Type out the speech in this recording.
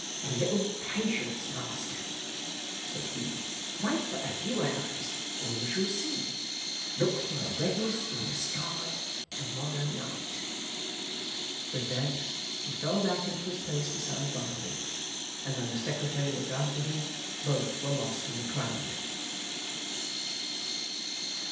'A little patience, master,' said Hugh. 'Wait but a few hours, and you shall see. Look for a redness in the sky, to morrow night.' With that, he fell back into his place beside Barnaby; and when the secretary looked after him, both were lost in the crowd.